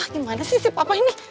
gimana sih si papa ini